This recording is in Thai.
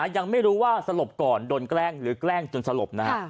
ยังไม่รู้ว่าสลบก่อนโดนแกล้งหรือแกล้งจนสลบนะฮะ